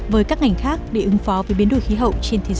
với các ngành khác để ứng phó với biến đổi khí hậu